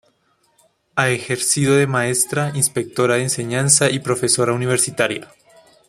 Ha ejercido de maestra, inspectora de enseñanza y profesora universitaria.